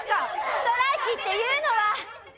ストライキっていうのは！